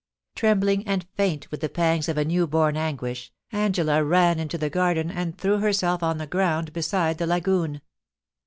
Trembling and faint with the pangs of a new bom anguish, Angela ran into the garden, and threw herself on the ground beside the lagoon.